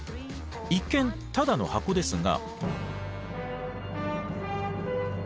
一見ただの箱ですが。